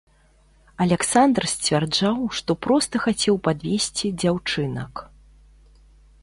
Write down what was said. Аляксандр сцвярджаў, што проста хацеў падвезці дзяўчынак.